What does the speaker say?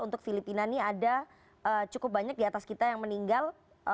untuk filipina ini ada cukup banyak di atas kita yang meninggal